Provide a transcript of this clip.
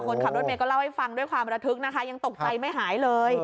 คนขับรถเมย์ก็เล่าให้ฟังด้วยความระทึกนะคะยังตกใจไม่หายเลย